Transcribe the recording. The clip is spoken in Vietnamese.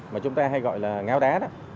mà chúng ta hay gọi là ngáo đá